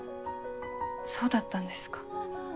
そうだったんですか。